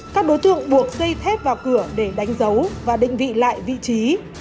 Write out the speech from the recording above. các đối tượng buộc dây thép vào cửa để đánh dấu và định vị lại vị trí